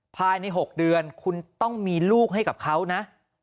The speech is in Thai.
ภายใน๖เดือนคุณต้องมีลูกให้กับเขานะ